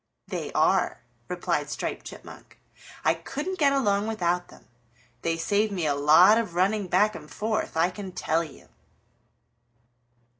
"They are," replied Striped Chipmunk. "I couldn't get along without them. They save me a lot of running back and forth, I can tell you."